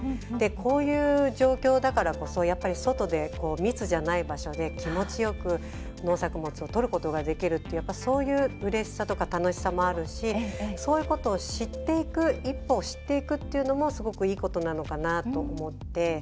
こういう状況だからこそ外で密じゃない場所で気持ちよく農作物をとることができるってそういう、うれしさとか楽しさもあるし、そういうことを一歩、知っていくっていうのもすごくいいことなのかなと思って。